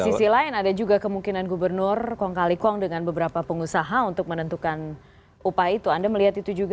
di sisi lain ada juga kemungkinan gubernur kong kali kong dengan beberapa pengusaha untuk menentukan upah itu anda melihat itu juga